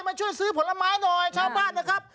มาช่วยซื้อผลไม้หน่อยชาวบ้านนะครับ